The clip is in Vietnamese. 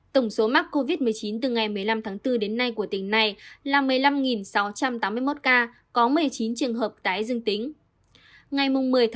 tổng số mắc covid một mươi chín từ ngày một mươi năm tháng bốn đến nay của tỉnh này là một mươi năm sáu trăm tám mươi một ca có một mươi chín trường hợp tái dương tính